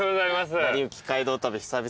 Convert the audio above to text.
『なりゆき街道旅』久々。